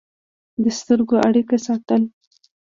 د سترګو اړیکه ساتل